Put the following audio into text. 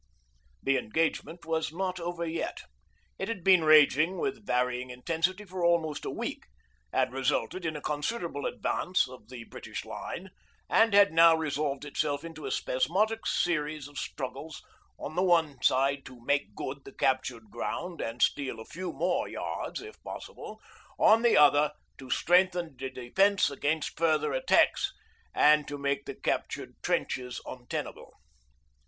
The engagement was not over yet. It had been raging with varying intensity for almost a week, had resulted in a considerable advance of the British line, and had now resolved itself into a spasmodic series of struggles on the one side to 'make good' the captured ground and steal a few more yards, if possible; on the other, to strengthen the defence against further attacks and to make the captured trenches untenable.